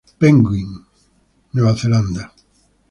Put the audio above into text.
Penguin, New Zealand.